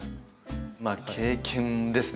まあ経験ですね